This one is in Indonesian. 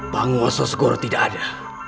bangu ososgoro tidak ada